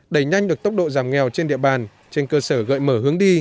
đẩy nhanh được tốc độ giảm nghèo trên địa bàn trên cơ sở gợi mở hướng đi